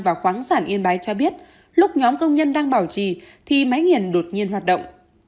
và khoáng sản yên bái cho biết lúc nhóm công nhân đang bảo trì thì máy nghiền đột nhiên hoạt động